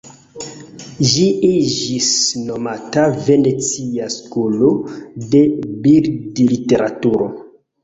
Ĝi iĝis nomata "venecia skolo de bildliteraturo".